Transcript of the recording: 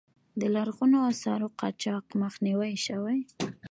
د لرغونو آثارو قاچاق مخنیوی شوی؟